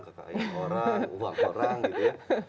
kekayaan orang uang orang gitu ya